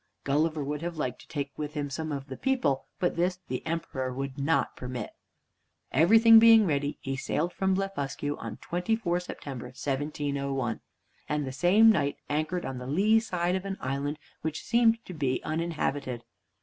Gulliver would have liked to take with him some of the people, but this the Emperor would not permit. Everything being ready, he sailed from Blefuscu on 24th September 1701, and the same night anchored on the lee side of an island which seemed to be uninhabited.